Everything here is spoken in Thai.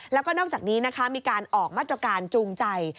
แล้วก็นอกจากนี้นะคะมีการออกมาตรการจูงใจ